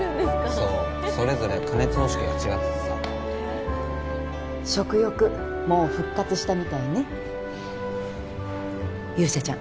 そうそれぞれ加熱方式が違ってて食欲もう復活したみたいね勇者ちゃん